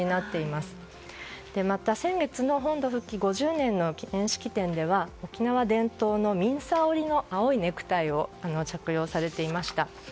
また先月の本土復帰５０年の記念式典では沖縄伝統のミンサー織のネクタイを着用されていました。